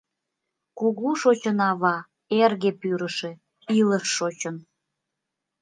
Кугу Шочынава, Эрге Пӱрышӧ, Илыш Шочын!